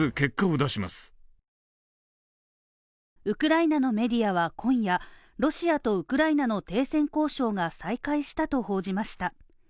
ウクライナのメディアは今夜、ロシアとウクライナの停戦交渉が再開したと報じました。